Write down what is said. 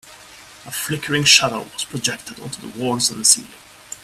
A flickering shadow was projected onto the walls and the ceiling.